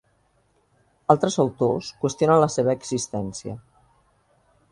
Altres autors qüestionen la seva existència.